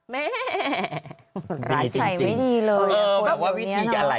แม่ใส่ไว้ดีเลย